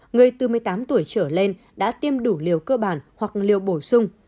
người từ một mươi tám tuổi trở lên đã tiêm đủ liều cơ bản hoặc liều bổ sung